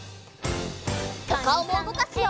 おかおもうごかすよ！